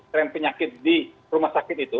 tren penyakit di rumah sakit itu